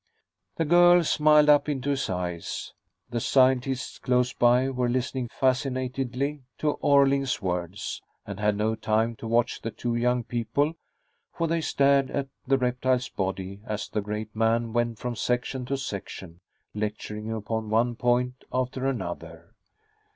The girl smiled up into his eyes. The scientists close by were listening fascinatedly to Orling's words, and had no time to watch the two young people, for they stared at the reptile's body as the great man went from section to section, lecturing upon one point after another.